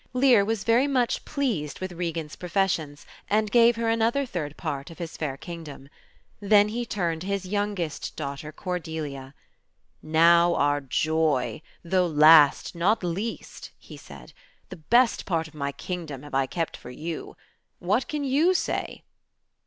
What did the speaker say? Lear was very much pleased with Regan's professions, and gave her another third part of his fair kingdom. Then he turned to his youngest daughter, Cordelia. "Now, our joy, though last not least," he said, "the best part of my kingdom have I kept for you. What can you say?"